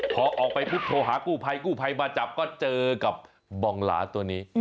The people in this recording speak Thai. พอออกไปปุ๊บโทรหากู้ภัยกู้ภัยมาจับก็เจอกับบองหลาตัวนี้